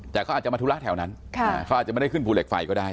แต่เขาอาจจะมาธุระแถวนั้นเขาอาจจะไม่ได้ขึ้นภูเหล็กไฟก็ได้